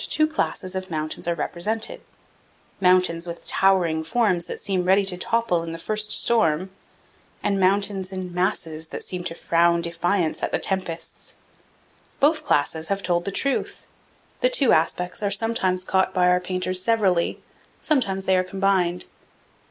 389 two classes of mountains are represented: mountains with towering forms that seem ready to topple in the first storm, and mountains in masses that seem to frown defiance at the tempests. Both classes have told the truth. The two aspects are sometimes caught by our painters severally; sometimes they are combined.